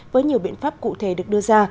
với nhiều biện pháp cụ thể được đưa ra